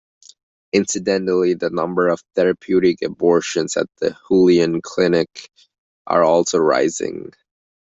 Incidentally, the number of therapeutic abortions at the Julian Clinic are also rising.